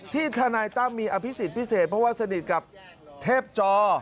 ทนายตั้มมีอภิษฎพิเศษเพราะว่าสนิทกับเทพจอ